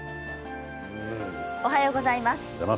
おはようございます。